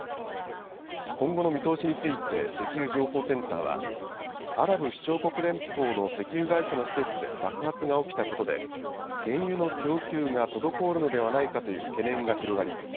今後の見通しについて石油情報センターはアラブ首長国連邦の石油会社の施設で爆発が起きたことで原油の供給が滞るのではないかという懸念が広がり